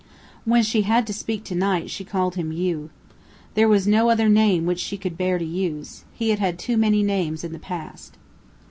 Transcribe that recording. When she had to speak to Knight she called him "you." There was no other name which she could bear to use. He had had too many names in the past!